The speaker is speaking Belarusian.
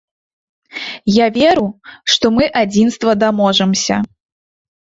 Я веру, што мы адзінства даможамся.